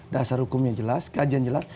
dasar hukumnya jelas kajian jelas